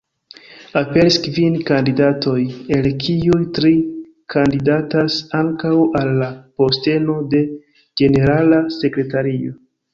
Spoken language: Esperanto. Aperis kvin kandidatoj, el kiuj tri kandidatas ankaŭ al la posteno de ĝenerala sekretario.